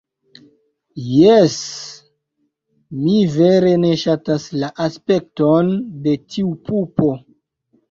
Jes... mi vere ne ŝatas la aspekton de tiu pupo.